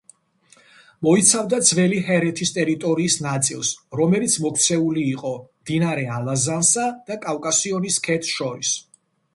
მოიცავდა ძველი ჰერეთის ტერიტორიის ნაწილს, რომელიც მოქცეული იყო მდინარე ალაზანსა და კავკასიონის ქედს შორის.